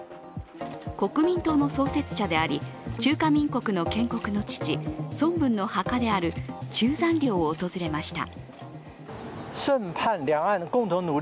国民党の創設者であり、中華民国の建国の父、孫文の墓である中山陵を訪れました。